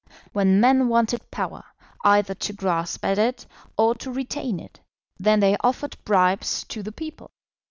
When men wanted power, either to grasp at it or to retain it, then they offered bribes to the people.